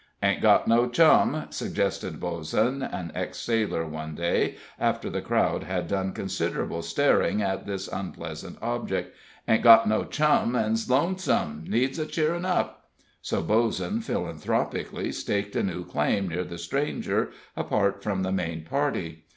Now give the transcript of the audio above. "Ain't got no chum," suggested Bozen, an ex sailor, one day, after the crowd had done considerable staring at this unpleasant object; "ain't got no chum, and's lonesome needs cheerin' up." So Bozen philanthropically staked a new claim near the stranger, apart from the main party.